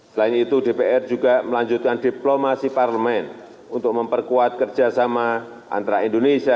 selain itu dpr juga melanjutkan diplomasi parlemen untuk memperkuat kerjasama antara indonesia